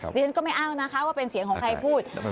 ดิฉันก็ไม่อ้างนะคะว่าเป็นเสียงของใครพูด